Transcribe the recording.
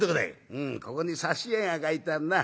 「うんここに挿絵が描いてあんな。